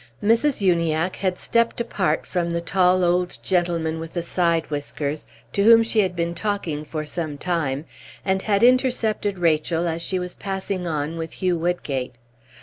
Mrs. Uniacke had stepped apart from the tall old gentleman with the side whiskers, to whom she had been talking for some time, and had intercepted Rachel as she was passing on with Hugh Woodgate.